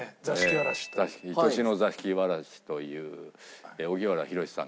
『愛しの座敷わらし』という荻原浩さん